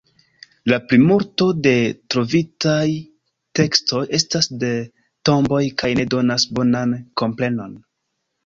La plimulto de trovitaj tekstoj estas de tomboj kaj ne donas bonan komprenon.